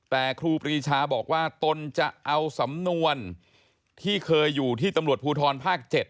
แต่ครูปรีชาบอกว่าตนจะเอาสำนวนที่เคยอยู่ที่ตำรวจภูทรภาค๗